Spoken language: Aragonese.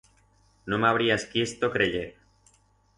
No m'habrías quiesto creyer.